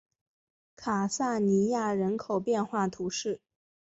卡萨尼亚人口变化图示